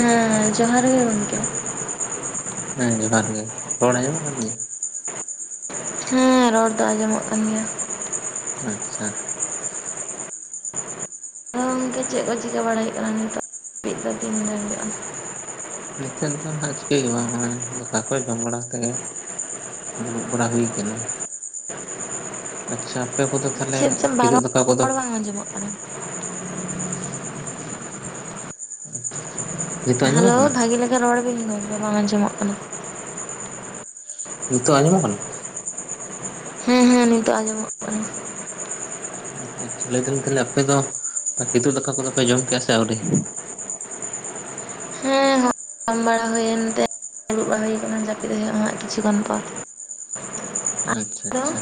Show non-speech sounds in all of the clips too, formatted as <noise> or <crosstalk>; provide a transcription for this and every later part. ᱦᱮᱸ ᱡᱚᱦᱟᱨ ᱜᱮ ᱜᱚᱢᱠᱮ᱾ ᱦᱮᱸ ᱡᱚᱦᱟᱨ ᱜᱮ ᱨᱚᱲ ᱟᱸᱡᱚᱢ ᱟᱠ ᱛᱤᱧᱟ᱾ ᱦᱮᱸ ᱨᱚᱲ ᱫᱚ ᱟᱸᱡᱚᱢᱚᱜ ᱠᱟᱱ ᱜᱮᱭᱟ᱾ ᱟᱪᱪᱷᱟ᱾ ᱟ ᱜᱚᱝᱠᱮ ᱪᱮᱫ ᱠᱚ ᱪᱤᱠᱟᱹ ᱵᱟᱲᱟᱭ ᱦᱩᱭᱩᱜ ᱠᱟᱱᱟ ᱱᱤᱛᱚᱜ <unintelligible> ᱱᱤᱛᱚᱜ ᱫᱚ ᱦᱟᱜ ᱪᱤᱠᱟᱹᱭ ᱦᱩᱭᱜᱼᱟ ᱫᱟᱠᱟ ᱠᱚ ᱡᱚᱢ ᱵᱟᱲᱟ ᱠᱟᱛᱮᱜ? ᱫᱩᱲᱩᱵ ᱵᱟᱲᱟ ᱦᱩᱭ ᱟᱠᱟᱱᱟ ᱟᱪᱪᱷᱟ ᱟᱯᱮ ᱠᱚᱫᱚ ᱛᱟᱦᱚᱞᱮ ᱪᱮᱫ ᱪᱚ ᱵᱟᱨᱚ ᱠᱤᱫᱩᱩᱜ ᱫᱟᱠᱟ ᱠᱚᱫᱚ ᱨᱚᱲ ᱵᱟᱝ ᱟᱸᱡᱚᱢᱚᱜ ᱠᱟᱱᱟ᱾ ᱟᱪᱪᱷᱟ ᱪᱷᱟ᱾ ᱦᱮᱞᱳ ᱵᱷᱟᱹᱜᱤ ᱞᱮᱠᱟ ᱨᱚᱲ ᱵᱤᱱ ᱜᱚᱢᱠᱮ ᱵᱟᱝ ᱟᱸᱡᱚᱢᱚᱜ ᱠᱟᱱᱟ᱾ ᱱᱤᱛᱚᱜ ᱟᱡᱚᱢᱚᱜ ᱠᱟᱱᱟ? ᱦᱮᱸ ᱦᱮᱸ ᱱᱤᱛ ᱟᱸᱡᱚᱢᱚᱜ <unintelligible> ᱟᱪᱪᱷᱟ ᱟᱪᱪᱷᱟ ᱞᱟᱹᱭ ᱫᱟᱞᱤᱧ ᱛᱟᱦᱚᱞᱮ ᱟᱯᱮ ᱫᱚ ᱠᱤᱫᱩᱵ ᱫᱟᱠᱟ ᱠᱚᱫᱚᱯᱮ ᱡᱚᱢ ᱠᱮᱜᱼᱟ ᱥᱮ ᱟᱹᱣᱨᱤ᱾ ᱦᱮ ᱦᱚᱢ ᱵᱟᱲᱟ ᱦᱩᱭᱮᱱ ᱛᱮ᱾ ᱫᱩᱲᱩᱵ ᱵᱟᱲᱟ ᱦᱩᱭ ᱠᱟᱱᱟ ᱡᱟᱹᱯᱤᱫ ᱦᱩᱭᱩᱜᱼᱟ ᱦᱟᱸᱜ ᱠᱤᱪᱷᱩ ᱜᱟᱱ ᱯᱚᱨ᱾ ᱟᱪᱪᱷᱟ ᱟᱫᱚ ᱟᱪᱪᱷᱟ᱾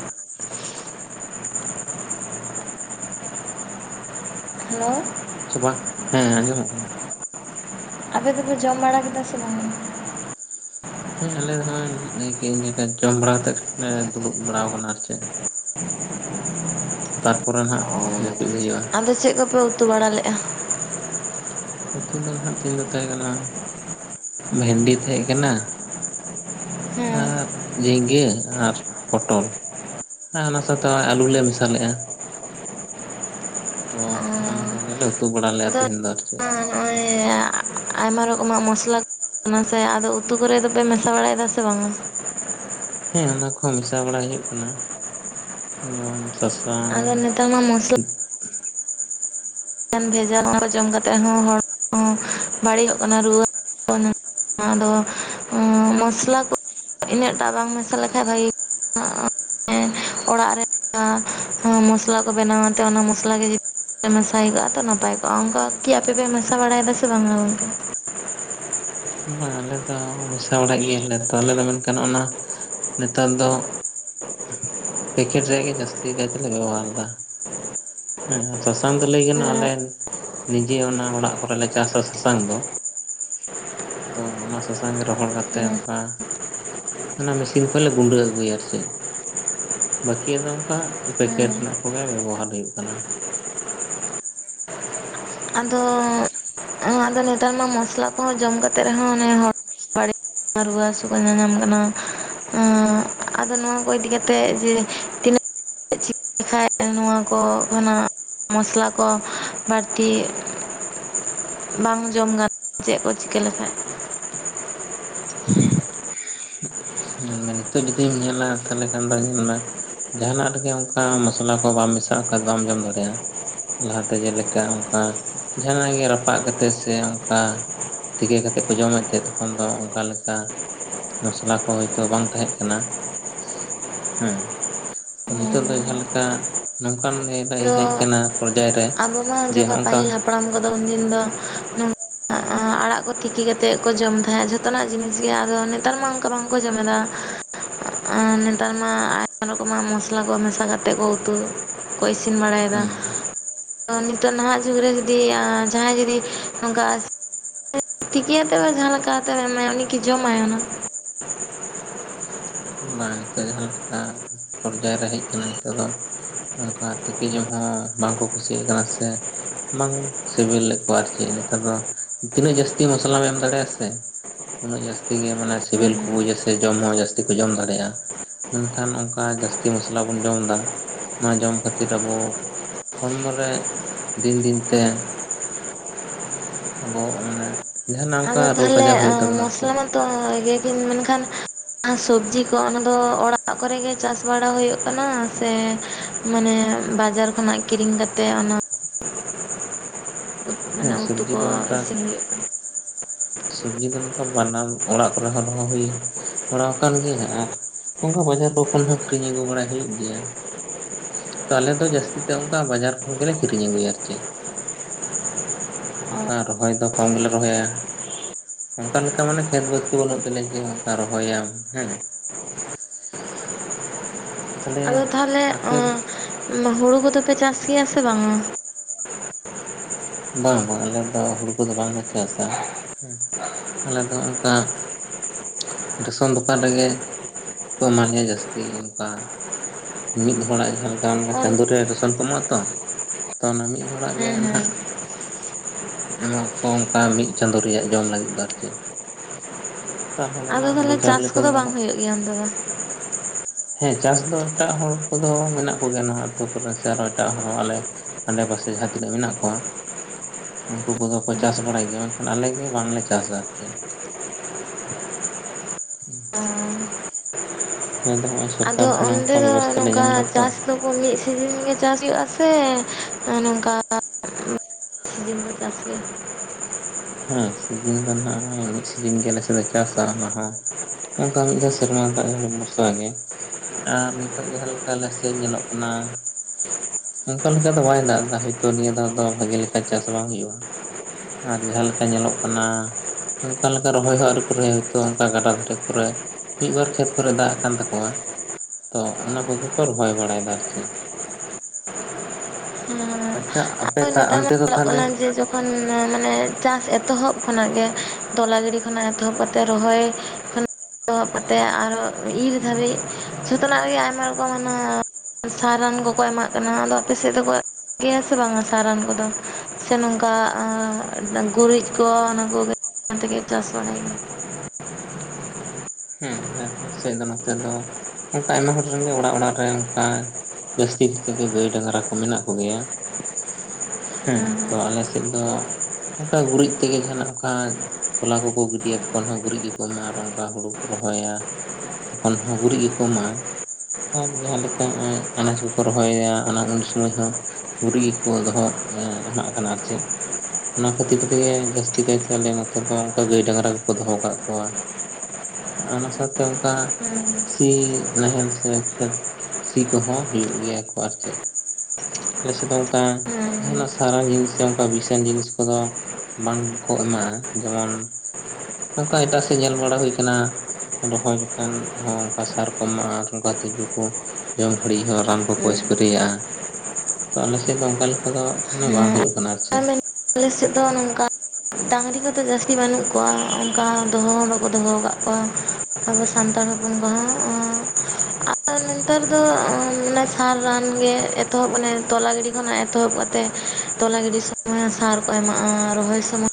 ᱦᱮᱞᱳ, <unintelligible> ᱦᱮᱸ ᱟᱸᱡᱚᱢᱚᱜ ᱠᱟᱱᱟ᱾ ᱟᱯᱮ ᱫᱚᱯᱮ ᱡᱚᱢ ᱵᱟᱲᱟ ᱠᱮᱫᱟ ᱥᱮ ᱵᱟᱝᱟ? ᱦᱮᱸ ᱟᱞᱮ ᱫᱚ ᱞᱟᱹᱭ ᱠᱮᱫᱮᱜᱟᱹᱧ ᱡᱮ ᱡᱚᱢ ᱵᱟᱲᱟ ᱠᱟᱛᱮᱫ ᱞᱮ ᱫᱩᱲᱩᱵ ᱵᱟᱲᱟ ᱟᱠᱟᱱᱟ ᱟᱨ ᱪᱮᱫ᱾ ᱛᱟᱨᱯᱚᱨᱮ ᱦᱟᱸᱜ ᱚ ᱡᱟᱹᱯᱤᱫ ᱦᱩᱭᱩᱜᱼᱟ᱾ ᱟᱫᱚ ᱪᱮᱫ ᱠᱚᱯᱮ ᱩᱛᱩ ᱵᱟᱲᱟ ᱞᱮᱜᱼᱟ ᱾ ᱩᱛᱩ ᱫᱚ ᱱᱟᱦᱜ ᱛᱮᱦᱮᱧ ᱫᱚ ᱛᱟᱦᱮᱸ ᱠᱟᱱᱟ ᱵᱷᱮᱱᱰᱤ ᱛᱟᱦᱮᱸ ᱠᱟᱱᱟ᱾ ᱦᱮᱸ ᱟᱨ ᱡᱷᱤᱸᱜᱟᱹ ᱟᱨ ᱯᱚᱴᱚᱞ ᱟᱨ ᱚᱱᱟ ᱥᱟᱶᱛᱮ ᱟᱹᱞᱩ ᱞᱮ ᱢᱮᱥᱟ ᱞᱮᱜᱼᱟ᱾ ᱛᱚ ᱚ ᱦᱚᱜᱼᱚ ᱱᱟ ᱠᱚᱜᱮᱞᱮ ᱩᱛᱩ ᱵᱟᱲᱟᱞᱮᱜᱼᱟ ᱟᱫᱚ ᱛᱮᱦᱮᱧ ᱫᱚ ᱟᱨ ᱪᱮᱫ᱾ ᱟᱭᱢᱟ ᱨᱚᱠᱚᱢᱟᱜ ᱢᱚᱥᱞᱟ <unintelligible> ᱥᱮ ᱟᱫᱚ ᱩᱛᱩ ᱠᱚᱨᱮ ᱫᱚᱯᱮ ᱢᱮᱥᱟ ᱵᱟᱲᱟᱭᱮᱫᱟ ᱥᱮ ᱵᱟᱝᱟ? ᱦᱮᱸ ᱚᱱᱟ ᱠᱚᱦᱚᱸ ᱢᱮᱥᱟ ᱵᱟᱲᱟ ᱦᱩᱭᱩᱜ ᱠᱟᱱᱟ ᱡᱮᱢᱚᱱ ᱥᱟᱥᱟᱝ ᱟᱫᱚ ᱱᱮᱛᱟᱨ ᱢᱟ ᱢᱚᱥᱞ ᱮᱠᱮᱱ ᱵᱷᱮᱡᱟ ᱚᱱᱟ ᱠᱚ ᱡᱚᱢ ᱠᱟᱛᱮ ᱦᱚᱸ ᱦᱚᱲ ᱵᱟᱹᱲᱤᱡᱚᱜ ᱠᱟᱱᱟ ᱨᱩᱣᱟᱹ <unintelligible> ᱟᱫᱚ ᱚᱸ ᱢᱚᱥᱞᱟ ᱠᱚ ᱤᱱᱟᱹᱜ ᱴᱟᱜ ᱵᱟᱝ ᱢᱮᱥᱟ ᱞᱮᱠᱟᱱ ᱵᱷᱟᱜᱤ <unintelligible> ᱚᱲᱟᱜ ᱨᱮ <unintelligible> ᱢᱚᱥᱚᱞᱟ ᱠᱚ ᱵᱮᱱᱟᱣᱟᱛᱮ ᱚᱱᱟ ᱢᱚᱥᱞᱟ ᱜᱮ ᱡᱩ <unintelligible> ᱛᱟᱦᱮ ᱠᱚᱜᱼᱟ ᱛᱚ ᱱᱟᱯᱟᱭ ᱠᱚᱜᱼᱟ ᱚᱱᱠᱟ ᱠᱤ ᱟᱯᱮᱯᱮ ᱢᱮᱥᱟ ᱵᱟᱲᱟᱭᱮᱫᱟ ᱥᱮ ᱵᱟᱝᱢᱟ ᱜᱚᱢᱠᱮ? ᱵᱟᱝ ᱟᱞᱮ ᱫᱚ ᱢᱮᱥᱟ ᱵᱟᱲᱟᱜ ᱜᱮᱭᱟᱞᱮ ᱛᱚ ᱟᱞᱮ ᱫᱚ ᱢᱮᱱᱠᱷᱟᱱ ᱚᱱᱟ ᱱᱮᱛᱟᱨ ᱫᱚ ᱯᱮᱠᱮᱴ ᱨᱮᱭᱟᱜ ᱜᱮ ᱡᱟᱹᱥᱛᱤ ᱠᱟᱭ ᱛᱮᱞᱮ ᱵᱮᱵᱚᱦᱟᱨᱫᱟ᱾ ᱦᱮᱸᱟᱨ ᱥᱟᱥᱟᱝ ᱫᱚ ᱞᱟᱹᱭ ᱜᱟᱱᱚᱜᱼᱟ ᱟᱞᱮ ᱱᱤᱡᱮ ᱚᱱᱟ ᱚᱲᱟᱜ ᱠᱚᱨᱮᱞᱮ ᱪᱟᱥᱟ ᱥᱟᱥᱟᱝ ᱫᱚ᱾ ᱛᱚ ᱚᱱᱟ ᱥᱟᱥᱟᱝ ᱜᱮ ᱨᱚᱦᱚᱲ ᱠᱟᱛᱮᱫ ᱚᱱᱠᱟ ᱦᱟᱱᱟ ᱢᱮᱥᱤᱱ ᱠᱷᱚᱡᱞᱮ ᱜᱩᱰᱟᱹ ᱟᱹᱜᱩᱭᱟ ᱟᱨ ᱪᱮᱫ ᱾ ᱵᱟᱹᱠᱤᱭᱟ ᱟᱫᱚ ᱚᱱᱠᱟ ᱦᱟᱸᱜ ᱯᱮᱠᱮᱴ ᱨᱮᱱᱟᱜ ᱠᱚᱜᱮ ᱦᱟᱸᱜ ᱵᱮᱵᱚᱦᱟᱨ ᱦᱩᱭᱩᱜ ᱠᱟᱱᱟ ᱾ ᱟᱫᱚ ᱟᱫᱚ ᱱᱮᱛᱟᱨ ᱢᱟ ᱢᱚᱥᱞᱟ ᱠᱚᱦᱚᱸ ᱡᱚᱢ ᱠᱟᱛᱮᱫ ᱨᱮᱦᱚᱸ ᱚᱱᱮ ᱦᱚᱲ <unintelligible> ᱵᱟᱹᱲᱤᱡ ᱨᱩᱣᱟᱹ ᱦᱟᱹᱥᱩ ᱠᱚ ᱧᱟ ᱧᱟᱢ ᱠᱟᱱᱟ ᱾ ᱚᱸᱜ ᱟᱫᱚ ᱱᱚᱣᱟ ᱠᱚ ᱤᱫᱤ ᱠᱟᱛᱮᱜ ᱡᱮ ᱛᱤᱱᱟᱹᱜ ᱪᱤᱠᱟᱹ ᱞᱮᱠᱷᱟᱡ ᱱᱚᱣᱟ ᱠᱚ ᱚᱱᱟ ᱢᱚᱥᱞᱟ ᱠᱚ ᱵᱟᱹᱲᱛᱤ ᱵᱟᱝ ᱡᱚᱢ ᱜᱟᱱᱚᱜ ᱪᱮᱫ ᱠᱚ ᱪᱤᱠᱟᱹ ᱞᱮᱠᱷᱟᱡ ᱾ ᱢᱟᱱᱮ ᱱᱤᱛᱚᱜ ᱡᱩᱫᱤᱢ ᱧᱮᱞᱟ ᱛᱟᱦᱚᱞᱮ ᱠᱷᱟᱱ ᱫᱚ ᱧᱮᱞ ᱢᱮ ᱡᱟᱦᱟᱱᱟᱜ ᱨᱮᱜᱮ ᱚᱱᱠᱟ ᱢᱚᱥᱞᱟ ᱠᱚ ᱵᱟᱢ ᱢᱮᱥᱟ ᱟᱜ ᱠᱷᱟᱡ ᱫᱚ ᱵᱟᱢ ᱡᱚᱢ ᱫᱟᱲᱮᱭᱟᱜ-ᱟ ᱾ ᱞᱟᱦᱟᱛᱮ ᱡᱮᱞᱮᱠᱟ ᱚᱱᱠᱟ ᱡᱟᱦᱟᱱᱟᱜ ᱜᱮ ᱨᱟᱯᱟᱜ ᱠᱟᱛᱮᱫ ᱥᱮ ᱚᱱᱠᱟ ᱛᱮᱠᱮ ᱠᱟᱛᱮ ᱠᱚ ᱡᱚᱢᱮᱫ ᱛᱟᱦᱮᱸᱜ ᱛᱚᱠᱷᱚᱱ ᱫᱚ ᱚᱱᱠᱟ ᱞᱮᱠᱟ ᱢᱚᱥᱞᱟ ᱠᱚ ᱦᱚᱭᱛᱳ ᱵᱟᱝ ᱛᱟᱦᱮᱸᱜ ᱠᱟᱱᱟ ᱾ ᱦᱩᱸ ᱱᱤᱛᱳᱜ ᱫᱚ ᱡᱟᱦᱟᱸ ᱞᱮᱠᱟ ᱱᱚᱝᱠᱟᱱ ᱤᱭᱟᱹᱨᱮ ᱟᱫᱚ ᱦᱮᱡ ᱟᱠᱟᱱᱟ ᱯᱚᱨᱡᱟᱭ ᱨᱮ ᱡᱮ ᱦᱚᱸᱜ-ᱚᱝᱠᱟ ᱟᱫᱚ ᱩᱱᱫᱤᱱ ᱫᱚ ᱱᱚ ᱟ-ᱟ ᱟᱲᱟᱜ ᱠᱚ ᱛᱤᱠᱤ ᱠᱟᱛᱮᱫ ᱠᱚ ᱡᱚᱢ ᱛᱟᱦᱮᱸᱜ ᱡᱷᱚᱛᱚᱱᱟᱜ ᱡᱤᱱᱤᱥ ᱜᱮ ᱟᱫᱚ ᱱᱮᱛᱟᱨ ᱢᱟ ᱚᱱᱠᱟ ᱵᱟᱝ ᱠᱚ ᱡᱚᱢᱮᱫᱟ ᱾ ᱦᱚᱸᱜ-ᱟᱸ ᱱᱮᱛᱟᱨ ᱢᱟ ᱟᱭᱢᱟ ᱨᱚᱠᱚᱢᱟᱜ ᱢᱚᱥᱞᱟ ᱠᱚ ᱢᱮᱥᱟ ᱠᱟᱛᱮᱫ ᱠᱚ ᱩᱛᱩ ᱠᱚ ᱤᱥᱤᱱ ᱵᱟᱲᱟᱭ ᱮᱫᱟ ᱦᱩᱸ ᱾ ᱱᱤᱛᱚᱜ ᱱᱟᱦᱟᱜ ᱡᱩᱜᱽ ᱨᱮ ᱡᱩᱫᱤ ᱟᱸ ᱡᱟᱦᱟᱸᱭ ᱡᱩᱫᱤ ᱱᱚᱝᱠᱟ ᱛᱤᱠᱤᱭᱟᱛᱮ ᱵᱟ ᱡᱟᱦᱟᱸ ᱞᱮᱠᱟᱣᱟᱛᱮᱫ ᱮᱢᱟᱭᱟ ᱩᱱᱤ ᱠᱤ ᱡᱚᱢᱟᱭ ᱚᱱᱟ ᱾ ᱵᱟᱝ ᱱᱤᱛᱚᱜ ᱡᱟᱦᱟᱸ ᱞᱮᱠᱟ ᱯᱚᱨᱡᱟᱭ ᱨᱮ ᱦᱮᱡ ᱠᱟᱱᱟ ᱱᱤᱛᱚᱜ ᱫᱚ ᱚᱱᱠᱟ ᱛᱤᱠᱤ ᱡᱚᱢ ᱦᱚᱸ ᱵᱟᱝᱠᱚ ᱠᱩᱥᱤᱭᱟᱜ ᱠᱟᱱᱟ ᱥᱮ ᱾ ᱵᱟᱝ ᱥᱮᱵᱮᱞᱮᱫ ᱠᱚᱣᱟ ᱟᱨ ᱪᱮᱫ ᱱᱮᱛᱟᱨ ᱫᱚ ᱛᱤᱱᱟᱹᱜ ᱡᱟᱹᱥᱛᱤ ᱢᱚᱥᱞᱟᱢ ᱮᱢ ᱫᱟᱲᱮᱭᱟᱜ-ᱟ ᱥᱮ ᱩᱱᱟᱹᱜ ᱡᱟᱹᱥᱛᱤ ᱜᱮ ᱢᱟᱱᱮ ᱥᱮᱵᱮᱞ ᱠᱚ ᱵᱩᱡᱟ ᱥᱮ ᱡᱚᱢ ᱦᱚᱸ ᱡᱟᱹᱥᱛᱤ ᱠᱚ ᱡᱚᱢ ᱫᱟᱲᱮᱭᱟᱜ-ᱟ ᱾ ᱢᱮᱱᱠᱷᱟᱱ ᱚᱱᱠᱟ ᱡᱟᱹᱥᱛᱤ ᱢᱚᱥᱞᱟ ᱵᱚᱱ ᱡᱚᱢᱮᱫᱟ ᱚᱱᱟ ᱡᱚᱢ ᱠᱷᱟᱹᱛᱤᱨ ᱟᱵᱚ ᱦᱚᱲᱢᱚ ᱨᱮ ᱫᱤᱱ ᱫᱤᱱ ᱛᱮ ᱟᱵᱚ ᱢᱟᱱᱮ ᱡᱟᱦᱟᱱᱟᱜ ᱚᱱᱠᱟ ᱨᱳᱜᱽ ᱟᱡᱟᱨ ᱦᱩᱭᱩᱜ ᱛᱟᱵᱚᱱᱟ ᱟᱨ ᱪᱮᱫ ᱾ ᱛᱚ ᱞᱟᱹᱭ ᱤᱫᱤᱧ ᱢᱮᱱᱠᱷᱟᱱ ᱟᱸ ᱥᱚᱵᱽᱡᱤ ᱠᱚ ᱚᱱᱟ ᱫᱚ ᱚᱲᱟᱜ ᱠᱚᱨᱮᱜᱮ ᱪᱟᱥ ᱵᱟᱲᱟ ᱦᱩᱭᱩᱜ ᱠᱟᱱᱟ ᱥᱮ ᱢᱟᱱᱮ ᱵᱟᱡᱟᱨ ᱠᱷᱚᱱᱟᱜ ᱠᱤᱨᱤᱧ ᱠᱟᱛᱮ ᱚᱱᱟ ᱢᱟᱱᱮ ᱦᱮᱸ ᱩᱛᱩ ᱥᱩᱵᱽᱡᱤ ᱠᱚ ᱫᱚ ᱚᱱᱠᱟ ᱤᱥᱤᱱ ᱦᱩᱭᱩᱜ <inaudible> ᱥᱩᱵᱡᱤ ᱫᱚ ᱚᱱ-ᱚᱝᱠᱟ ᱵᱟᱱᱟᱨ ᱚᱲᱟᱜ ᱠᱚᱨᱮ ᱦᱚᱸ ᱨᱚᱦᱚᱭ ᱦᱩᱭ ᱵᱟᱲᱟᱣ ᱟᱠᱟᱱ ᱜᱮᱭᱟ ᱟᱨ ᱚᱱᱠᱟ ᱵᱟᱡᱟᱨ ᱠᱚ ᱠᱷᱚᱱ ᱦᱚᱸ ᱠᱤᱨᱤᱧ ᱟᱹᱜᱩ ᱵᱟᱲᱟᱭ ᱦᱩᱭᱩᱜ ᱜᱮᱭᱟ᱾ ᱛᱚ ᱟᱞᱮ ᱫᱚ ᱡᱟᱹᱥᱛᱤ ᱛᱮ ᱚᱱᱠᱟ ᱵᱟᱡᱟᱨ ᱠᱷᱚᱱ ᱜᱮᱞᱮ ᱠᱤᱨᱤᱧ ᱟᱹᱜᱩᱭᱟ ᱟᱨ ᱪᱮᱫ᱾ ᱠᱟᱱᱟ? ᱟᱨ ᱨᱚᱦᱚᱭ ᱫᱚ ᱠᱚᱢ ᱜᱮᱞᱮ ᱨᱚᱦᱚᱭᱟ᱾ ᱚᱱᱠᱟ ᱞᱮᱠᱟ ᱢᱟᱱᱮ ᱠᱷᱮᱛ ᱵᱟᱹᱫᱽ ᱠᱚ ᱵᱟᱹᱱᱩᱜ ᱛᱟᱞᱮᱭᱟ ᱡᱮ ᱚᱱᱠᱟ ᱨᱚᱦᱚᱭᱟᱢ ᱦᱮᱸ᱾ ᱛᱟᱦᱚᱞᱮ ᱟᱫᱚ ᱛᱟᱦᱚᱞᱮ ᱟᱯᱮ ᱦᱩᱲᱩ ᱠᱚᱫᱚ ᱯᱮ ᱪᱟᱥ ᱜᱮᱭᱟ ᱥᱮ ᱵᱟᱝᱟ? ᱵᱟᱝ ᱵᱟᱝ ᱟᱞᱮ ᱫᱚ ᱦᱩᱲᱩ ᱠᱚᱫᱚ ᱵᱟᱝᱞᱮ ᱪᱟᱥᱟ᱾ ᱟᱞᱮ ᱫᱚ ᱚᱱᱠᱟ ᱨᱮᱥᱚᱱ ᱫᱚᱠᱟᱱ ᱨᱮᱜᱮ ᱠᱚ ᱮᱢᱟ ᱞᱮᱭᱟ ᱡᱟᱹᱥᱛᱤ᱾ ᱚᱱᱠᱟ ᱢᱤᱫ ᱦᱚᱲᱟᱜ ᱡᱟᱦᱟ ᱞᱮᱠᱟ ᱪᱟᱸᱫᱳ ᱨᱮ ᱨᱮᱥᱚᱱ ᱠᱚ ᱮᱢᱚᱜ ᱟᱛᱚ ᱛᱚ ᱚᱱᱟ ᱢᱤᱫ ᱦᱚᱲᱟᱜ ᱜᱮ ᱦᱮᱸ ᱦᱮᱸ ᱦᱟᱸᱜ ᱮᱢᱚᱜ ᱟᱚ ᱚᱱᱠᱟ ᱢᱤᱫ ᱪᱟᱸᱫᱳ ᱨᱮᱭᱟᱜ ᱡᱚᱢ ᱞᱟᱹᱜᱤᱫ ᱫᱚ ᱟᱨᱠᱤ᱾ ᱟᱫᱚ ᱛᱟᱦᱚᱞᱮ ᱪᱟᱥ ᱪᱟᱣᱞᱮ ᱠᱚᱫᱚ ᱵᱟᱝ ᱦᱟᱸᱜ ᱦᱩᱭᱩᱜ ᱜᱮᱭᱟ ᱚᱱᱛᱮ ᱫᱚ? ᱦᱮᱸ ᱪᱟᱥ ᱫᱚ ᱮᱴᱟᱜ ᱦᱚᱲ ᱠᱚᱫᱚ ᱢᱮᱱᱟᱜ ᱠᱚᱜᱮᱭᱟ ᱱᱚᱣᱟ ᱟᱹᱛᱩ ᱠᱚᱨᱮᱱ ᱥᱮ ᱟᱨᱚ ᱮᱴᱟᱜ ᱦᱚᱲ ᱦᱚ ᱟᱞᱮ ᱟᱰᱮ ᱯᱟᱥᱮ ᱡᱟᱦᱟᱸ ᱛᱤᱱᱟᱹᱜ ᱢᱮᱱᱟᱜ ᱠᱚᱣᱟ ᱩᱱᱠᱩ ᱠᱚᱫᱚ ᱠᱚ ᱪᱟᱥ ᱵᱟᱲᱟᱭ ᱜᱮᱭᱟ, ᱢᱮᱱᱠᱷᱟᱱ ᱟᱞᱮᱜᱮ ᱵᱟᱝᱞᱮ ᱪᱟᱥᱟ ᱟᱨᱪᱮᱫ᱾ <inaudible> ᱦᱮ ᱛᱚ ᱦᱚᱜᱼᱚᱭ ᱟᱫᱚ ᱚᱸᱰᱮ ᱫᱚ ᱱᱚᱝᱠᱟ ᱪᱟᱥ ᱫᱚ ᱢᱤᱫ ᱥᱤᱡᱤᱱ ᱜᱮ ᱪᱟᱥ ᱦᱩᱭᱩᱜᱼᱟ ᱥᱮ ᱱᱚᱝᱠᱟ ᱥᱤᱡᱤᱱ ᱫᱚ ᱪᱟᱥ ᱦᱩᱭᱩᱜᱼᱟ? ᱦᱮᱸ ᱥᱤᱡᱤᱱ ᱫᱚ ᱦᱟᱜ ᱢᱤᱫ ᱥᱤᱡᱤᱱ ᱜᱮᱭᱟ ᱟᱞᱮ ᱥᱮᱞᱮ ᱪᱟᱥᱟ ᱚᱱᱟ ᱦᱚᱸ ᱚᱱᱠᱟ ᱢᱤᱫ ᱫᱷᱟᱣ ᱥᱮᱨᱢᱟ ᱫᱟᱜ ᱡᱟᱹᱲᱤ ᱵᱷᱚᱨᱥᱟ ᱜᱮ ᱟᱨ ᱱᱤᱛᱚᱜ ᱡᱟᱦᱟᱸ ᱞᱮᱠᱟ ᱟᱞᱮᱥᱮᱫ ᱧᱮᱞᱚᱜ ᱠᱟᱱᱟ ᱚᱱᱠᱟ ᱞᱮᱠᱟ ᱫᱚ ᱵᱟᱭ ᱫᱟᱜ ᱮᱫᱟ, ᱦᱳᱭᱛᱳ ᱱᱤᱭᱟᱹ ᱫᱷᱟᱣ ᱫᱚ ᱵᱷᱟᱜᱤ ᱞᱮᱠᱟ ᱪᱟᱥ ᱵᱟᱝ ᱦᱩᱭᱩᱜᱼᱟ᱾ ᱟᱨ ᱡᱟᱦᱟᱸ ᱞᱮᱠᱟ ᱧᱮᱞᱚᱜ ᱠᱟᱱᱟ ᱚᱱᱠᱟ ᱞᱮᱠᱟ ᱨᱚᱦᱚᱭ ᱦᱚᱸ ᱟᱹᱣᱨᱤ ᱠᱚ ᱨᱚᱦᱚᱭᱟ ᱦᱳᱭᱛᱳ ᱚᱱᱠᱟ ᱜᱟᱰᱟ ᱫᱷᱟᱨᱮ ᱠᱚᱨᱮ ᱢᱤᱫᱼᱵᱟᱨ ᱠᱷᱮᱛ ᱠᱚᱨᱮ ᱫᱟᱜ ᱟᱠᱟᱱ ᱛᱟᱠᱚᱣᱟ᱾ ᱛᱚ ᱚᱱᱟ ᱠᱚᱜᱮ ᱠᱚ ᱨᱚᱦᱚᱭ ᱵᱟᱲᱟᱭᱫᱟ ᱟᱨ ᱪᱮᱫ᱾ ᱟᱪᱪᱷᱟ ᱟᱯᱮ ᱚᱱᱛᱮ ᱫᱚ ᱛᱟᱦᱚᱞᱮ ᱠᱷᱚᱱ ᱢᱟᱱᱮ ᱪᱟᱥ ᱮᱛᱚᱦᱚᱵ ᱠᱷᱚᱱᱟᱜ ᱜᱮ ᱛᱚᱞᱟ ᱜᱤᱲᱤ ᱠᱷᱚᱱᱟᱜ ᱮᱛᱚᱦᱚᱵ ᱠᱟᱛᱮᱫ ᱨᱚᱦᱚᱭ ᱠᱷᱚᱱ ᱮᱚᱦᱚᱵ ᱠᱟᱛᱮᱫ ᱟᱨᱚ ᱤᱨ ᱫᱷᱟᱵᱤᱡ ᱡᱚᱛᱚᱱᱟᱜ ᱜᱮ ᱟᱭᱢᱟ ᱨᱚᱠᱚᱢ ᱥᱟ ᱨᱟᱱ ᱠᱚᱠᱚ ᱮᱢᱟᱜ ᱠᱟᱱᱟ, ᱟᱫᱚ ᱟᱯᱮ ᱥᱮᱫ ᱫᱚᱠᱚ ᱜᱮᱭᱟ ᱥᱮ ᱵᱟᱝ ᱟ? ᱥᱟ ᱨᱟᱱ ᱠᱚᱫᱚ ᱥᱮ ᱱᱚᱝᱠᱟ ᱜᱩᱨᱤᱡᱽ ᱠᱚ ᱚᱱᱟ ᱠᱚᱜᱮ, ᱚᱱᱟ ᱛᱮᱜᱮ ᱪᱟᱥ ᱵᱟᱲᱟᱭ᱾ ᱦᱮᱸ ᱟᱞᱮ ᱥᱮᱡ ᱫᱚ ᱱᱚᱛᱮ ᱫᱚ ᱚᱱᱠᱟ ᱟᱭᱢᱟ ᱦᱚᱲ ᱨᱮᱱ ᱜᱮ ᱚᱲᱟᱜ ᱚᱲᱟᱜ ᱨᱮ ᱚᱱᱠᱟ ᱡᱟᱹᱥᱛᱤ ᱠᱷᱛᱤᱨ ᱛᱮ ᱜᱟᱹᱭ ᱰᱟᱝᱨᱟ ᱠᱚ ᱢᱮᱱᱟᱜ ᱠᱚᱜᱮᱭᱟ, ᱦᱮᱸ ᱦᱩᱸ ᱛᱚ ᱟᱞᱮ ᱥᱮᱜ ᱫᱚ ᱚᱱᱠᱟ ᱜᱩᱨᱤᱡᱽ ᱛᱮᱜᱮ ᱡᱟᱦᱟᱱᱟᱜ ᱚᱱᱠᱟ ᱛᱚᱞᱟ ᱠᱚᱠᱚ ᱜᱤᱰᱤᱭᱟ ᱛᱚᱠᱷᱚᱱ ᱦᱚᱸ ᱜᱩᱨᱤᱡᱽ ᱜᱮᱠᱚ ᱮᱢᱟ ᱟᱨ ᱚᱱᱠᱟ ᱦᱩᱲᱩ ᱠᱚ ᱨᱚᱦ ᱨᱚᱦᱚᱭᱟ, ᱛᱚᱠᱷᱚᱱ ᱦᱚᱸ ᱜᱩᱨᱤᱡᱽ ᱜᱮᱠᱚ ᱮᱢᱟᱜᱼᱟ᱾ ᱟᱨ ᱡᱟᱦᱟᱸ ᱞᱮᱠᱟ ᱦᱚᱜ ᱚᱭ ᱟᱱᱟᱡ ᱠᱚᱠᱚ ᱨᱚᱦᱚᱭᱟ ᱚᱱᱟ ᱩᱱ ᱥᱚᱢᱚᱭ ᱦᱚᱸ ᱜᱩᱨᱤᱡᱽ ᱠᱚ ᱫᱚᱦᱚ ᱮᱢᱟᱜ ᱠᱟᱱᱟ ᱟᱨ ᱪᱮᱫ᱾ ᱚᱱᱟ ᱠᱷᱟᱹᱛᱤᱨ ᱛᱮᱜᱮ ᱡᱟᱹᱥᱛᱤ ᱠᱟᱭᱛᱮ ᱟᱞᱮ ᱱᱚᱛᱮ ᱫᱚ ᱚᱱᱠᱟ ᱜᱟᱹᱭ ᱰᱟᱝᱨᱟ ᱠᱚᱠᱚ ᱫᱚᱦᱚ ᱠᱟᱜ ᱠᱚᱣᱟ᱾ ᱚᱱᱟ ᱥᱟᱶᱛᱮ ᱚᱱᱠᱟ ᱦᱩᱸ ᱥᱤ ᱱᱟᱦᱮᱞ ᱥᱮ ᱠᱷᱮᱛ ᱥᱤ ᱠᱚᱦᱚᱸ ᱦᱩᱭᱩᱜ ᱜᱮᱭᱟ ᱠᱚ ᱟᱨ ᱪᱮᱫ᱾ ᱟᱞᱮ ᱥᱮᱜ ᱫᱚ ᱚᱱᱠᱟ ᱦᱩᱸ ᱦᱩᱸ ᱡᱟᱦᱟᱱᱟᱜ ᱥᱟᱨᱟᱱ ᱡᱤᱱᱤᱥ ᱥᱮ ᱚᱱᱠᱟ ᱵᱤᱥᱟᱱ ᱡᱤᱱᱤᱥ ᱠᱚᱫᱚ ᱵᱟᱝᱠᱚ ᱮᱢᱟᱜᱼᱟ, ᱡᱮᱢᱚᱱ ᱱᱚᱝᱠᱟ ᱮᱴᱟᱜ ᱥᱮᱫ ᱧᱮᱞ ᱵᱟᱲᱟ ᱦᱩᱭ ᱟᱠᱟᱱᱟ ᱨᱚᱦᱚᱭ ᱡᱚᱠᱷᱟᱱ ᱦᱚᱸ ᱚᱱᱠᱟ ᱥᱟᱨ ᱠᱚ ᱮᱢᱟᱜᱼᱟ, ᱟᱨ ᱚᱱᱠᱟ ᱛᱤᱡᱩ ᱠᱚ ᱡᱚᱢ ᱜᱷᱟᱹᱲᱤᱡ ᱦᱚᱸ ᱨᱟᱱ ᱠᱚ ᱦᱩᱸ ᱮᱥᱯᱨᱮᱭᱟᱜᱼᱟ, ᱛᱚ ᱟᱞᱮᱥᱮᱫ ᱫᱚ ᱚᱱᱠᱟ ᱞᱮᱠᱟ ᱫᱚ ᱢᱟᱱᱮ ᱵᱟᱝ ᱦᱮᱸ ᱦᱩᱭᱩᱜ ᱠᱟᱱᱟ ᱟᱨ ᱪᱮᱫ᱾ ᱟᱞᱮ ᱥᱮᱫ ᱫᱚ ᱱᱚᱝᱠᱟ ᱰᱟᱹᱟᱴᱝᱨᱤ ᱠᱚᱫᱚ ᱡᱟᱹᱥᱛᱤ ᱵᱟᱹᱱᱩᱜ ᱠᱚᱣᱟ᱾ ᱚᱱᱠᱟ ᱫᱚᱦᱚ ᱦᱚᱸ ᱵᱟᱠᱚ ᱫᱚᱦᱚ ᱟᱠᱟᱜ ᱠᱚᱣᱟ᱾ ᱟᱵᱚ ᱥᱟᱱᱛᱟᱲ ᱦᱚᱯᱚᱱ ᱠᱚ ᱦᱟᱸᱜ <unintelligible> ᱱᱮᱛᱟᱨ ᱫᱚ ᱢᱟᱱᱮ ᱥᱟᱨ ᱨᱟᱱ ᱜᱮ ᱮᱛᱚᱦᱚᱵ ᱢᱟᱱᱮ ᱛᱚᱞᱟ ᱜᱤᱰᱤ ᱠᱷᱚᱱᱟᱜ ᱮᱛᱚᱦᱚᱵ ᱠᱟᱛᱮ ᱛᱚᱞᱟ ᱜᱤᱰᱤ ᱥᱚᱢᱚᱭ ᱦᱚᱸ ᱥᱟᱨ ᱠᱚ ᱮᱢᱟᱜᱼᱟ ᱨᱚᱦᱚᱭ ᱥᱚᱢᱚᱭ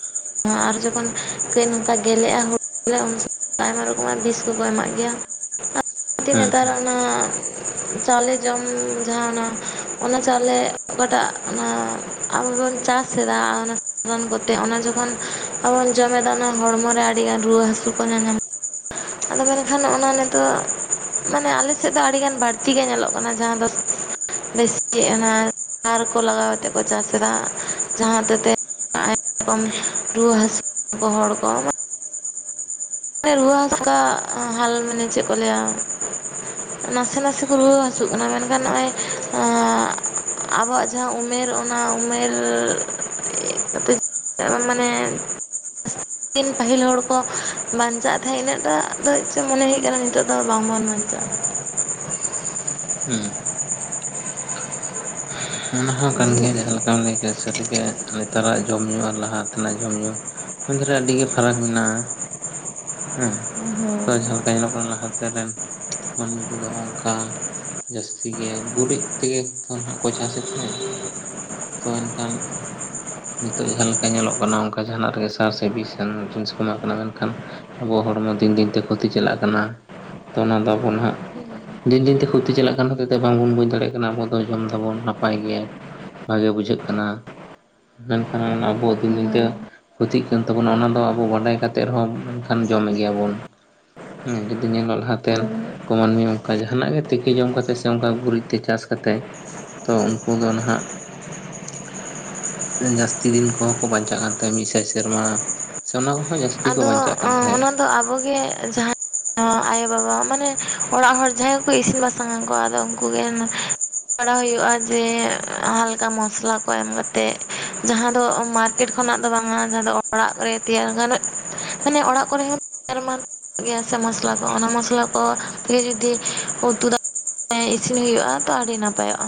ᱟᱨ ᱡᱚᱠᱷᱚᱱ ᱠᱟᱹᱡ ᱱᱚᱝᱠᱟ ᱜᱮᱞᱮᱜᱼᱟ ᱦᱩᱲᱩ ᱞᱮ ᱩᱱ <inaudible> ᱟᱭᱢᱟ ᱨᱚᱠᱚᱢᱟᱜ ᱵᱤᱥ ᱠᱚᱠᱚ ᱮᱢᱟᱜ ᱜᱮᱭᱟ᱾ <unintelligible> ᱦᱮᱸ ᱱᱮᱛᱟᱨ ᱚᱱᱟ ᱪᱟᱣᱞᱮ ᱡᱚᱢ ᱡᱟᱦᱟᱸ ᱚᱱᱟ, ᱚᱱᱟ ᱪᱟᱣᱞᱮ ᱚᱠᱟᱴᱟᱜ ᱚᱱᱟ ᱟᱵᱚ ᱵᱚᱱ ᱪᱟᱥ ᱮᱫᱟ <inaudible> ᱨᱟᱱ ᱠᱚᱛᱮ ᱚᱱᱟ ᱡᱚᱠ ᱟᱵᱚ ᱵᱚᱱ ᱡᱚᱢᱮᱫᱟ ᱚᱱᱟ ᱦᱚᱲᱢᱚ ᱨᱮ ᱟᱹᱰᱤᱜᱟᱱ ᱨᱩᱣᱟᱹ ᱦᱟᱹᱥᱩ ᱠᱚ ᱧᱟ-ᱧᱟᱢ ᱟᱫᱚ ᱢᱮᱱᱠᱷᱟᱱ ᱚᱱᱟ ᱱᱤᱛᱚᱜ ᱢᱟᱱᱮ ᱟᱞᱮ ᱥᱮᱫ ᱫᱚ ᱟᱹᱰᱤᱜᱟᱱ ᱵᱟᱹᱲᱛᱤ ᱜᱮ ᱧᱮᱞᱚᱜ ᱠᱟᱱᱟ ᱡᱟᱦᱟᱸ ᱫᱚ ᱵᱮᱥᱤ ᱜᱮ ᱚᱱᱟ ᱥᱟᱨ ᱠᱚ ᱞᱟᱜᱟᱣ ᱠᱟᱛᱮᱫ ᱠᱚ ᱪᱟᱥ ᱮᱫᱟ, ᱡᱟᱦᱟᱸ ᱦᱚᱛᱮᱡ ᱛᱮ ᱟᱭᱢᱟ ᱨᱚᱠᱚᱢ ᱨᱩᱣᱟᱹ ᱦᱟᱹᱥᱩ ᱠᱚ ᱦᱚᱲ ᱠᱚ ᱨᱩᱭᱟᱹ <unintelligible> ᱦᱟᱞ ᱢᱟᱱᱮ ᱪᱮᱫ ᱠᱚ ᱞᱟᱹᱭᱟ? ᱱᱟᱥᱮ ᱱᱟᱥᱮ ᱠᱚ ᱨᱩᱣᱟᱹ ᱦᱟᱹᱥᱩᱜ ᱠᱟᱱᱟ ᱢᱮᱱᱠᱷᱟᱱ ᱱᱚᱜ-ᱚᱭ <unintelligible> ᱟᱵᱚᱣᱟᱜ ᱡᱟᱦᱟᱸ ᱩᱢᱮᱨ ᱚᱱᱟ ᱩᱢᱮᱨ <unintelligible> <unintelligible> ᱢᱟᱱᱮ ᱛᱤᱱ ᱯᱟᱹᱦᱤᱞ ᱦᱚᱲ ᱠᱚ ᱵᱟᱧᱪᱟᱜ ᱛᱟᱦᱮᱸᱜ ᱤᱱᱟᱹᱜᱴᱟ ᱫᱚ ᱪᱚ ᱢᱚᱱᱮ ᱦᱩᱭᱩᱜ ᱠᱟᱱᱟ ᱱᱤᱛᱚᱜ ᱫᱚ ᱵᱟᱝᱵᱚᱱ ᱵᱟᱧᱪᱟᱜ-ᱟ᱾ ᱦᱩᱸ᱾ ᱦᱚᱸ ᱚᱱᱟ ᱠᱟᱱ ᱜᱮᱭᱟ ᱡᱟᱦᱟᱸ ᱞᱮᱠᱟᱢ ᱞᱟᱹᱭ ᱠᱮᱜ-ᱟ ᱥᱟᱹᱨᱤ ᱜᱮ ᱱᱮᱛᱟᱨᱟᱜ ᱡᱚᱢ ᱧᱩ ᱟᱨ ᱞᱟᱦᱟ ᱛᱮᱱᱟᱜ ᱡᱚᱢ ᱧᱩ ᱢᱩᱫ ᱨᱮ ᱟᱹᱰᱤ ᱜᱮ ᱯᱷᱟᱨᱟᱠ ᱢᱮᱱᱟᱜ-ᱟ᱾ ᱦᱮᱸ ᱛᱚ ᱡᱟᱦᱟᱸ ᱞᱮᱠᱟ ᱧᱮᱞᱚᱜ ᱠᱟᱱᱟ ᱞᱟᱦᱟᱛᱮ ᱨᱮᱱ ᱢᱟᱹᱱᱢᱤ ᱠᱚᱫᱚ ᱦᱚᱜ ᱠᱟ ᱡᱟᱹᱥᱛᱤ ᱜᱮ ᱜᱩᱨᱤᱡ ᱛᱮᱜᱮ ᱠᱚᱱ ᱦᱟᱸᱜ ᱠᱚ ᱪᱟᱥᱮᱫ ᱛᱟᱦᱮᱸ᱾ ᱛᱚ ᱚᱱᱠᱟᱱ ᱱᱤᱛᱚᱜ ᱡᱟᱦᱟᱸ ᱞᱮᱠᱟ ᱧᱮᱞᱚᱜ ᱠᱟᱱᱟ ᱚᱱᱠᱟ ᱡᱟᱦᱟᱸᱱᱟᱜ ᱨᱮᱜᱮ ᱥᱟᱨ ᱥᱮ ᱵᱤᱥ-ᱟᱱ ᱡᱤᱱᱤᱥ ᱠᱚ ᱮᱢᱟᱜ ᱠᱟᱱᱟ ᱢᱮᱱᱠᱷᱟᱱ ᱟᱵᱚᱣᱟᱜ ᱦᱚᱲᱢᱚ ᱫᱤᱱ ᱫᱤᱱᱛᱮ ᱠᱷᱚᱛᱤ ᱪᱟᱞᱟᱜ ᱠᱟᱱᱟ, ᱛᱚ ᱚᱱᱟ ᱫᱚ ᱵᱚᱱ ᱦᱟᱸᱜ ᱫᱤᱱ ᱫᱤᱱᱛᱮ ᱠᱷᱚᱛᱤ ᱪᱟᱞᱟᱜ ᱠᱟᱱ ᱠᱷᱟᱹᱛᱤᱨ ᱛᱮ ᱵᱟᱝᱵᱚᱱ ᱵᱩᱡᱽ ᱫᱟᱲᱮᱭᱟᱜ ᱠᱟᱱᱟ ᱟᱵᱚ ᱫᱚ ᱡᱚᱢ ᱫᱟᱵᱚᱱ ᱱᱟᱯ ᱱᱟᱯᱟᱭ ᱜᱮ ᱵᱷᱟᱜᱮ ᱵᱩᱡᱷᱟᱹᱜ ᱠᱟᱱᱟ ᱢᱮᱱᱠᱷᱟᱱ ᱟᱵᱚ ᱫᱤᱱ ᱫᱤᱱ ᱛᱮ ᱦᱩᱸ ᱠᱷᱩᱛᱤᱜ ᱠᱟᱱ ᱛᱟᱵᱚᱱᱟ ᱚᱱᱟ ᱫᱚ ᱟᱵᱚ ᱵᱟᱰᱟᱭ ᱠᱟᱛᱮᱫ ᱨᱮᱦᱚᱸ ᱢᱮᱱᱠᱷᱟᱱ ᱡᱚᱢᱮᱫ ᱜᱮᱭᱟ ᱵᱚᱱ᱾ ᱦᱮᱸ ᱡᱩᱫᱤ ᱧᱮᱞᱚᱜ ᱞᱟᱦᱟᱛᱮᱱ ᱠᱚ, ᱢᱟᱹᱱᱢᱤ ᱚᱱᱠᱟ ᱡᱟᱦᱟᱸᱱᱟᱜ ᱛᱤᱠᱤ ᱡᱚᱢ ᱠᱟᱛᱮᱜ ᱥᱮ ᱚᱱᱠᱟ ᱜᱩᱨᱤᱡ ᱛᱮ ᱪᱟᱥ ᱠᱟᱛᱮᱜ ᱛᱚ ᱩᱱᱠᱩ ᱫᱚ ᱱᱟᱦᱟᱸᱜ ᱡᱟᱹᱥᱛᱤ ᱫᱤᱱ ᱠᱚᱦᱚᱸ ᱠᱚ ᱵᱟᱸᱧᱪᱟᱜ ᱠᱟᱱ ᱛᱟᱦᱮᱸᱜ ᱢᱤᱫ ᱥᱟᱭ ᱥᱮᱨᱢᱟ᱾ ᱥᱮ ᱚᱱᱟ ᱠᱷᱚᱸᱱ ᱦᱚᱸ ᱡᱟᱥ ᱟᱫᱚ ᱚᱸ ᱚᱱᱟ ᱫᱚ ᱟᱵᱚᱜᱮ ᱡᱟᱦᱟᱸ <unintelligible> ᱟᱭᱳ-ᱵᱟᱵᱟ ᱢᱟᱱᱮ ᱚᱲᱟᱜ ᱦᱚᱲ ᱡᱟᱦᱟᱸᱭ ᱜᱮ ᱠᱚ ᱤᱥᱤᱱ ᱵᱟᱥᱟᱝ ᱟ ᱩᱝᱠᱩ ᱟᱫᱚ ᱩᱝᱠᱩ ᱜᱮ ᱯᱟᱲᱦᱟᱣ ᱦᱩᱭᱩᱜ-ᱟ ᱡᱮ ᱦᱟᱞᱠᱟ ᱢᱚᱥᱞᱟ ᱠᱚ ᱮᱢ ᱠᱟᱛᱮᱜ ᱡᱟᱦᱟᱸ ᱫᱚ ᱢᱟᱨᱠᱮᱴ ᱠᱷᱚᱱᱟᱜ ᱫᱚ ᱵᱟᱝᱟ, ᱡᱟᱦᱟᱸ ᱫᱚ ᱚᱲᱟᱜ ᱠᱚᱨᱮ ᱛᱮᱭᱟᱨ ᱜᱟᱱᱮᱫ ᱢᱟᱱᱮ ᱚᱲᱟᱜ ᱠᱚᱨᱮ ᱦᱚᱸ <unintelligible> ᱜᱮᱭᱟ ᱥᱮ ᱢᱚᱥᱞᱟ ᱠᱚ ᱚᱱᱟ ᱢᱚᱥᱞᱟ ᱠᱚ ᱜᱮ ᱡᱩᱫᱤ ᱩᱛᱩ ᱫᱟ <unintelligible> ᱤᱥᱤᱱ ᱦᱩᱭᱩᱜ-ᱟ ᱛᱚ ᱟᱹᱰᱤ ᱱᱟᱯᱟᱭᱚᱜ-ᱟ᱾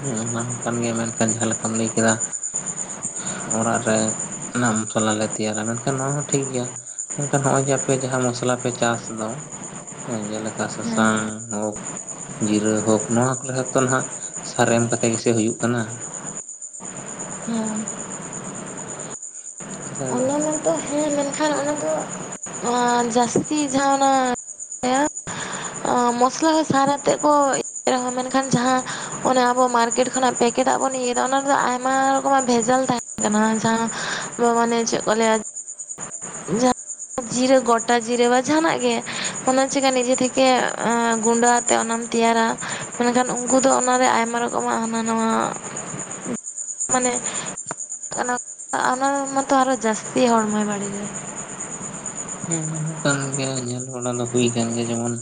ᱦᱮᱸ ᱚᱱᱟ ᱦᱚᱸ ᱠᱟᱱ ᱜᱮᱭᱟ ᱢᱮᱱᱠᱷᱟᱱ ᱡᱟᱦᱟᱸ ᱞᱮᱠᱟᱢ ᱞᱟᱹᱭ ᱠᱮᱫᱟ ᱚᱲᱟᱜ ᱨᱮ ᱱᱟᱜ ᱢᱚᱥᱚᱞᱟ ᱞᱮ ᱛᱮᱭᱟᱨᱟ ᱢᱮᱱᱠᱷᱟᱱ ᱱᱚᱣᱟ ᱦᱚᱸ ᱴᱷᱤᱠ ᱜᱮᱭᱟ᱾ ᱢᱮᱱᱠᱷᱟᱱ ᱦᱚᱸᱜ-ᱚᱭ ᱡᱮ ᱟᱯᱮ ᱡᱟᱦᱟᱸ ᱢᱚᱥᱞᱟ ᱯᱮ ᱪᱟᱥ ᱫᱚ ᱦᱮᱸ ᱡᱮᱞᱮᱠᱟ ᱥᱟᱥᱟᱝ ᱦᱳᱠ, ᱡᱤᱨᱟᱹ ᱦᱳᱠ ᱱᱚᱣᱟ <unintelligible> ᱦᱟᱸᱜ ᱥᱟᱨ ᱮᱢ ᱠᱟᱛᱮᱜ ᱜᱮ ᱥᱮ ᱦᱩᱭᱩᱜ ᱠᱟᱱᱟ? ᱦᱮᱸ᱾ ᱛᱟᱦᱚᱞᱮ ᱟᱞᱮ ᱦᱚᱸ ᱱᱚᱱᱛᱮ ᱦᱮᱸ ᱢᱮᱱᱠᱷᱟᱱ ᱚᱱᱟ ᱫᱚ ᱡᱟᱹᱥᱛᱤ ᱡᱟᱦᱟᱸ ᱚᱱᱟ ᱚᱻ ᱢᱚᱥᱞᱟ ᱦᱚᱸ ᱥᱟᱨ ᱟᱛᱮᱫ ᱠᱚ <unintelligible> ᱢᱮᱱᱠᱷᱟᱱ ᱡᱟᱦᱟᱸ ᱚᱱᱮ ᱟᱵᱚ ᱢᱟᱨᱠᱮᱴ ᱠᱷᱚᱱᱟᱜ ᱯᱮᱠ ᱠᱮᱫᱟᱜ ᱵᱚᱱ ᱤᱭᱟᱹᱭᱮᱫᱟ ᱚᱱᱟ ᱨᱮᱫᱚ ᱟᱭᱢᱟ ᱨᱚᱠᱚᱢᱟᱜ ᱵᱷᱮᱡᱟᱞ ᱛᱟᱦᱮᱸᱱ ᱠᱟᱱᱟ ᱡᱟᱦᱟᱸ ᱢᱟᱱᱮ ᱪᱮᱫ ᱠᱚ ᱞᱟᱹᱭ-ᱟ <unintelligible> ᱡᱤᱨᱟᱹ ᱜᱚᱴᱟ ᱡᱤᱨᱟᱹ ᱵᱟ ᱡᱟᱦᱟᱸᱱᱟᱜ ᱜᱮ ᱚᱱᱟ ᱪᱮᱠᱟ ᱱᱤᱡᱮ ᱛᱷᱮᱠᱮ ᱠᱮ ᱮᱸ ᱜᱩᱸᱰᱟ ᱟᱛᱮᱜ ᱚᱱᱟᱢ ᱛᱮᱭᱟᱨᱟ ᱢᱮᱱᱠᱷᱟᱱ ᱩᱱᱠᱩ ᱫᱚ ᱚᱱᱟᱨᱮ ᱟᱭᱢᱟ ᱨᱚᱠᱚᱢ ᱠᱚ ᱮᱢᱟᱜ-ᱟ ᱦᱟᱱᱟ ᱱᱟᱣᱟ ᱢᱟᱱᱮ <unintelligible> ᱚᱱᱟ ᱨᱮᱢᱟᱛᱚ ᱟᱨᱚ ᱡᱟᱹᱥᱛᱤ ᱦᱚᱲᱢᱚᱭ ᱵᱟᱲᱤᱡ-ᱟ᱾ ᱦᱮᱸ ᱚᱱᱟ ᱦᱚᱸ ᱠᱟᱱ ᱜᱮᱭᱟ ᱧᱮᱞ ᱵᱟᱲᱟ ᱫᱚ ᱦᱩᱭ ᱟᱠᱟᱱ ᱜᱮᱭᱟ ᱡᱮᱢᱚᱱ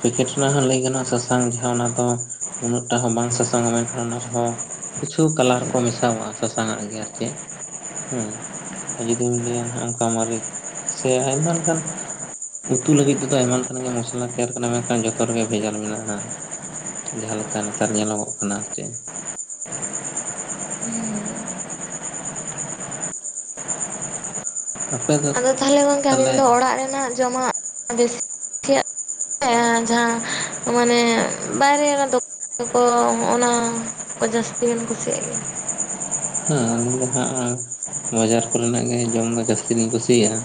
ᱯᱮᱠᱮᱴ ᱨᱮᱱᱟᱜ ᱦᱚᱸ ᱞᱟᱹᱭ ᱜᱟᱱ ᱥᱟᱥᱟᱝ ᱡᱟᱦᱟᱸ ᱫᱚ ᱩᱱᱟᱹᱜ ᱴᱟ ᱦᱚᱸ ᱵᱟᱝ ᱥᱟᱥᱟᱝ-ᱟ, ᱢᱮᱱᱠᱷᱟᱱ ᱚᱱᱟ ᱨᱮᱦᱚᱸ ᱠᱤᱪᱷᱩ ᱠᱟᱞᱟᱨ ᱠᱚ ᱢᱮᱥᱟᱣᱟᱜ-ᱟ ᱥᱟᱥᱟᱝᱟᱜ ᱜᱮ ᱟᱨ ᱪᱮᱫ ᱾ ᱦᱩᱸ ᱟᱨ ᱡᱩᱫᱤᱢ ᱞᱟᱹᱭᱟ ᱦᱟᱜ ᱚᱱᱠᱟ ᱢᱟᱨᱤᱪ ᱥᱮ ᱟᱭᱢᱟ ᱞᱮᱱᱠᱟᱱ ᱩᱛᱩ ᱞᱟᱹᱜᱤᱫ ᱛᱮᱫᱚ ᱟᱭᱢᱟ ᱞᱮᱠᱟᱱᱟᱜ ᱜᱮ ᱢᱚᱥᱞᱟ ᱛᱮᱭᱟᱨ ᱠᱟᱱᱟ ᱢᱮᱱᱠᱷᱟᱱ ᱡᱚᱛᱚ ᱨᱮᱜᱮ ᱵᱷᱮᱡᱟᱞ ᱢᱮᱱᱟᱜ-ᱟ ᱾ ᱡᱟᱦᱟᱸ ᱞᱮᱠᱟ ᱱᱮᱛᱟᱨ ᱧᱮᱞᱚᱜᱚᱜ ᱠᱟᱱᱟ ᱟᱨ ᱪᱮᱫ ᱾ ᱟᱯᱮ ᱫᱚ ᱟᱫᱚ ᱛᱟᱦᱚᱞᱮ ᱜᱚᱝᱠᱮ ᱛᱟᱦᱚᱞᱮ ᱟᱵᱤᱱ ᱫᱚ ᱚᱲᱟᱜ ᱨᱮᱱᱟᱜ ᱡᱚᱢᱟᱜ ᱵᱮᱥᱤ <unintelligible> ᱡᱟᱦᱟᱸ ᱢᱟᱱᱮ ᱵᱟᱭᱨᱮ ᱚᱱᱟ ᱫᱚᱠ ᱠᱚ ᱦᱚᱸᱜ-ᱚ ᱱᱟ ᱠᱚ ᱡᱟᱹᱥᱛᱤ ᱵᱤᱱ ᱠᱩᱥᱤᱭᱟᱜ ᱜᱮᱭᱟ ᱾ ᱦᱮᱸ ᱟᱹᱞᱤᱧ ᱫᱚ ᱦᱟᱸᱜ ᱵᱟᱡᱟᱨ ᱠᱚᱨᱮᱱᱟᱜ ᱜᱮ ᱡᱚᱢ ᱫᱚ ᱡᱟᱹᱥᱛᱤ ᱞᱤᱧ ᱠᱩᱥᱤᱭᱟᱜ-ᱟ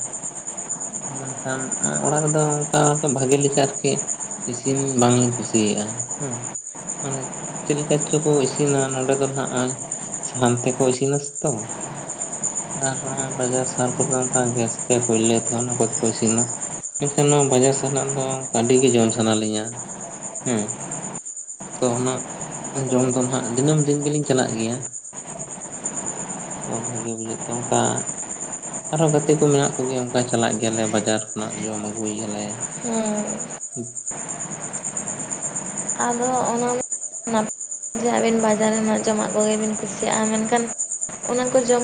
᱾ ᱢᱮᱱᱠᱷᱟᱱ ᱟᱲᱟᱜ ᱨᱮᱫᱚ ᱚᱱᱠᱟ <unintelligible> ᱵᱷᱟᱜᱤ ᱞᱮᱠᱟ ᱟᱨᱠᱤ ᱤᱥᱤᱱ ᱵᱟᱝ ᱞᱤᱧ ᱠᱩᱥᱤᱭᱟᱜ-ᱟ ᱦᱩᱸ ᱾ ᱢᱟᱱᱮ ᱪᱮᱫ ᱞᱮᱠᱟ ᱪᱚᱠᱚ ᱤᱥᱤᱱᱟ ᱱᱚᱸᱰᱮ ᱫᱚ ᱱᱟᱜ <unintelligible> ᱥᱟᱦᱟᱱ ᱛᱮ ᱠᱚ ᱤᱥᱤᱱᱟ ᱥᱮᱛᱚ ᱾ ᱟᱨ ᱵᱟᱡᱟᱨ ᱥᱟᱦᱟᱨ ᱠᱚᱨᱮ ᱫᱚ ᱚᱱᱠᱟ ᱜᱮᱥ ᱛᱮ ᱠᱚᱭᱞᱟ ᱛᱮ ᱚᱱᱟ ᱠᱚ ᱛᱮᱠᱚ ᱤᱥᱤᱱᱟ ᱾ ᱢᱮᱱᱠᱷᱟᱱ ᱱᱚᱣᱟ ᱵᱟᱡᱟᱨ ᱥᱟᱱᱟᱜ ᱫᱚ ᱟᱹᱰᱤ ᱜᱮ ᱡᱚᱢ ᱥᱟᱱᱟ ᱞᱤᱧᱟ ᱦᱮᱸ ᱾ ᱛᱚ ᱚᱱᱟ ᱡᱚᱢ ᱫᱚ ᱱᱟᱜ ᱫᱤᱱᱟᱹᱢ ᱫᱤᱱ ᱜᱮᱞᱤᱧ ᱪᱟᱞᱟᱜ ᱜᱮᱭᱟ ᱾ ᱛᱚ ᱵᱷᱟᱹᱜᱮ ᱵᱩᱡᱷᱟᱹᱜ ᱛᱮ ᱚᱱᱠᱟ ᱟᱨᱦᱚᱸ ᱜᱟᱛᱮ ᱠᱚ ᱢᱮᱱᱟᱜ ᱠᱚᱜᱮᱭᱟ ᱚᱱᱠᱟ ᱪᱟᱞᱟᱜ ᱜᱮᱭᱟᱞᱮ ᱵᱟᱡᱟᱨ ᱠᱷᱚᱱᱟᱜ ᱡᱚᱢ ᱟᱜᱩᱭ ᱜᱮᱭᱟ ᱞᱮ ᱾ ᱦᱮᱸ <unintelligible> ᱟᱫᱚ ᱦᱟᱸᱜ ᱚᱱᱟ <unintelligible> ᱡᱮ ᱟᱹᱵᱤᱱ ᱵᱟᱡᱟᱨ ᱨᱮᱱᱟᱜ ᱡᱚᱢᱟᱜ ᱠᱚᱜᱮ ᱵᱤᱱ ᱠᱩᱥᱤᱭᱟᱜ-ᱟ ᱢᱮᱱᱠᱷᱟᱱ ᱚᱱᱟ ᱠᱚ ᱡᱚᱢ